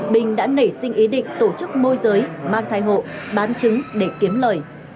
bình đã nể sinh ý định tổ chức môi giới mang thai hộ bán trứng để kiếm lời